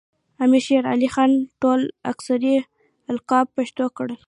امیر شیر علی خان ټول عسکري القاب پښتو کړل.